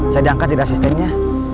saya diangkatin asistennya